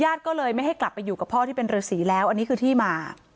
ก็เลยไม่ให้กลับไปอยู่กับพ่อที่เป็นฤษีแล้วอันนี้คือที่มา